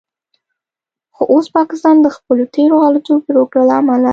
خو اوس پاکستان د خپلو تیرو غلطو پریکړو له امله